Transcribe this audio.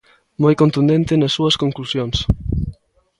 Moi contundente nas súas conclusións.